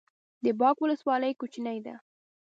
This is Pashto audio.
د باک ولسوالۍ کوچنۍ ده